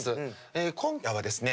え今夜はですね